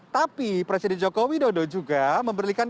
tapi presiden joko widodo juga memberikan kata kata